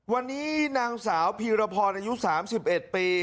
วันนี้นางสาวพีรพรอายุ๓๑ปี